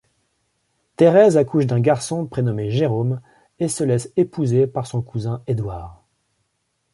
Thérèse accouche d'un garçon, prénommé Jérôme, et se laisse épouser par son cousin Edouard.